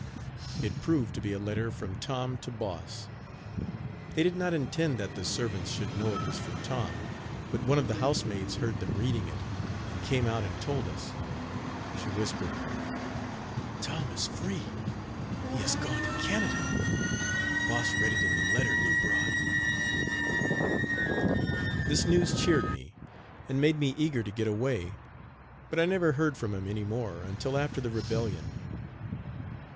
It proved to be a letter from Tom to Boss. They did not intend that the servants should know it was from Tom, but one of the house maids heard them reading it, and came out and told us. She whispered: "Tom is free; he has gone to Canada; Boss read it in the letter Lou brought." This news cheered me, and made me eager to get away; but I never heard from him any more until after the rebellion.